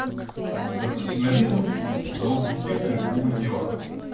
профессионализм - залог успеха любого дела.